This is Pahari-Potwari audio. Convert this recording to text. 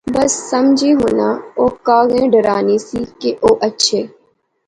بس سمجھی ہنا او کاغیں ڈرانی سی کہ او اچھے